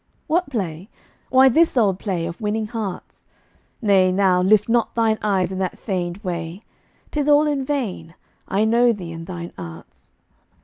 "What play?" Why, this old play of winning hearts! Nay, now, lift not thine eyes in that feigned way: 'Tis all in vain I know thee and thine arts.